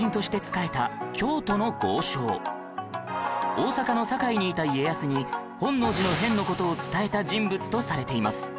大阪の堺にいた家康に本能寺の変の事を伝えた人物とされています